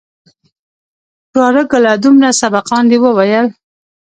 وراره گله دومره سبقان دې وويل.